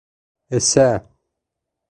Эсә.